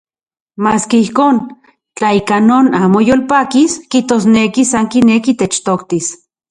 Maski ijkon, tla ika non amo yolpakis, kijtosneki san kineki techtoktis.